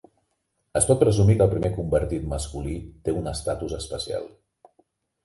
Es pot presumir que el primer convertit masculí té un estatus especial.